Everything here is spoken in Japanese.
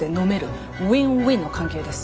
ウィンウィンの関係です。